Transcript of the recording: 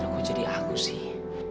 kok jadi aku sih